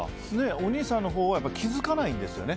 お兄さんのほうは気づかないんですよね。